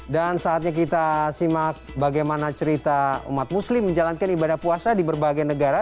dan saatnya kita simak bagaimana cerita umat muslim menjalankan ibadah puasa di berbagai negara